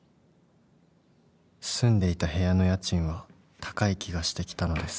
［住んでいた部屋の家賃は高い気がしてきたのです］